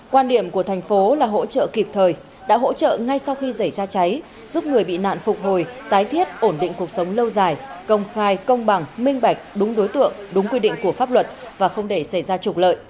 quan điểm của thành phố là hỗ trợ kịp thời đã hỗ trợ ngay sau khi giảy ra cháy giúp người bị nạn phục hồi tái thiết ổn định cuộc sống lâu dài công khai công bằng minh bạch đúng đối tượng đúng quy định của pháp luật